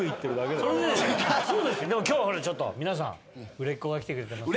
でも今日ちょっと皆さん売れっ子が来てくれてます。